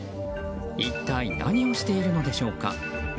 一体、何をしているのでしょうか。